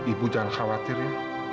ibu jangan khawatir ya